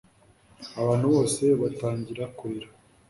Abantu bose batangira kurira